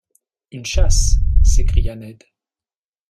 Une chasse, s’écria Ned.